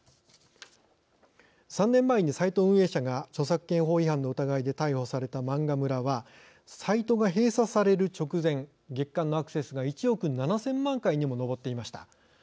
３年前にサイト運営者が著作権法違反の疑いで逮捕された漫画村はサイトが閉鎖される直前月間のアクセスが１億７０００万回にも上っていました。